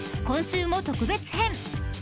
今週も特別編］